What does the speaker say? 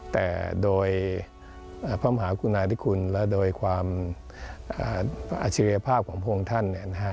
แต่โดยพระอำหาคุณณาสิทธิ์คุณและโดยความอัจฉริยภาพของพวกท่าน